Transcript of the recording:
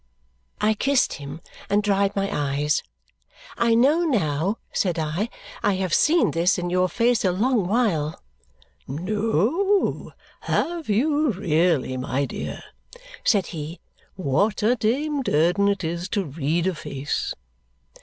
I kissed him and dried my eyes. "I know now!" said I. "I have seen this in your face a long while." "No; have you really, my dear?" said he. "What a Dame Durden it is to read a face!"